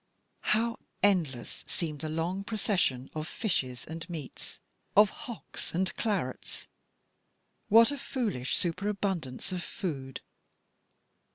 How endless seemed the long procession of fish and entrees, of hocks and clarets! What foolish superabundance of food.